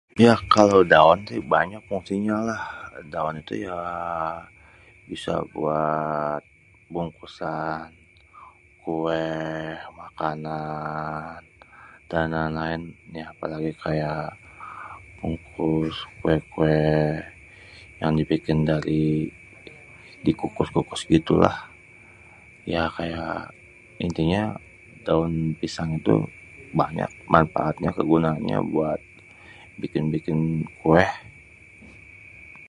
yah kalau daon si banyak pastinya lah, daon itu yaaa bisa buat bungkusan kué, makanan, dan laén-laén. Yah apalagi kaya ngukus kué-kué, yang dibikin dari dikukus-kukus gitulah. Ya kaya intinya ya daun pisang tuh banyak manfaatnya, kegunaannya buat bikin-bikin kué.